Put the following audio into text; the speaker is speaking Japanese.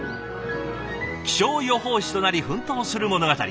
気象予報士となり奮闘する物語。